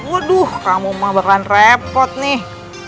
waduh kamu mah bakalan repot nih